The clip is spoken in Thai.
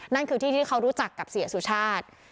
นั่นคือที่ที่เขารู้จักกับเสียสุชาติ